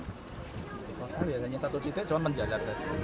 mungkin hanya satu titik cuma menjara